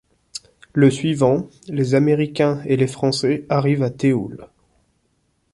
Le suivant, les Américains et les Français arrivent à Théoule.